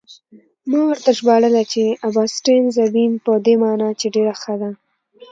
ما ورته ژباړله چې: 'Abbastanza bene' په دې مانا چې ډېره ښه ده.